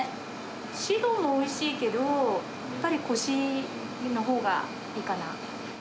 白もおいしいけど、やっぱりこしのほうがいいかな。